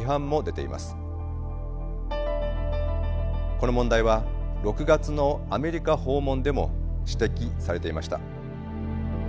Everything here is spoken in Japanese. この問題は６月のアメリカ訪問でも指摘されていました。